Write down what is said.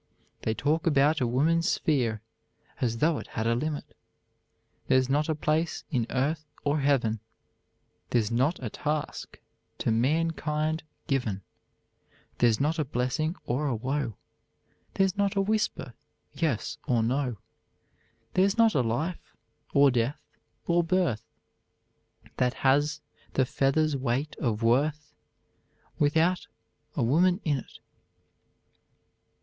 "They talk about a woman's sphere, As though it had a limit; There's not a place in earth or heaven, There's not a task to mankind given, There's not a blessing or a woe, There's not a whisper, Yes or No, There's not a life, or death, or birth, That has a feather's weight of worth, Without a woman in it."